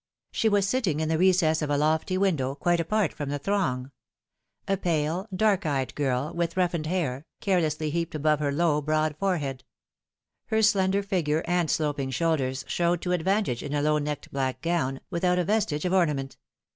She was sitting in the recess of a lofty window, quite apart from the throng a pale, dark eyed girl, with roughened hair carelessly heaped above her low, broad forehead, Her slender figure and sloping shoulders showed 262 The Fatal TJiree. to advantage in a low necked black gown, without a vestige of ornament.